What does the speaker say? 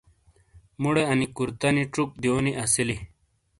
مُوڑے انی کُرتنی چُک دیونی اسیلی۔